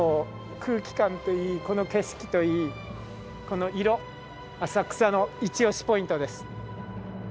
空気感といいこの景色といい、この色浅草のいちオシポイントです。